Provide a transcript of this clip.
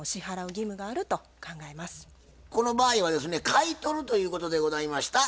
この場合はですね買い取るということでございました。